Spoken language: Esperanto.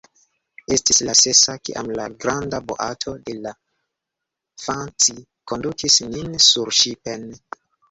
Estis la sesa, kiam la granda boato de la _Fanci_ kondukis nin surŝipen.